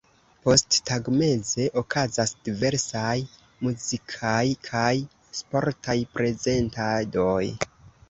Posttagmeze okazas diversaj muzikaj kaj sportaj prezentadoj.